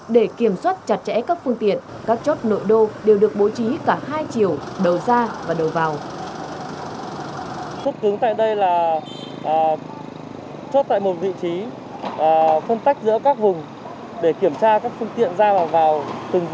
để kiểm tra các phương tiện ra và vào từng vùng